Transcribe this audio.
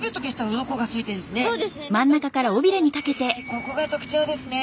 ここが特徴ですね。